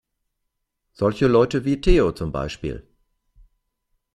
Solche Leute wie Theo, zum Beispiel.